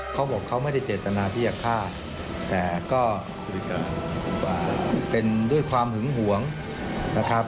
เขาบอกเขาไม่ได้เจตนาที่จะฆ่าแต่ก็คุยกันเป็นด้วยความหึงหวงนะครับ